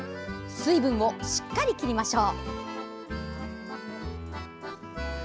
水分をしっかり切りましょう。